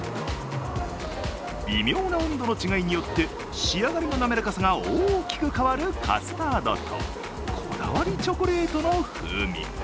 微妙な温度の違いによって仕上がりの滑らかさが大きく変わるカスタードとこだわりチョコレートの風味。